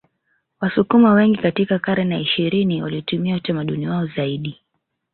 Wasukuma wengi katika karne ya ishirini walitumia utamaduni wao zaidi